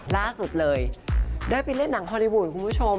ล่าสุดเลยได้ไปเล่นหนังฮอลลี่วูดคุณผู้ชม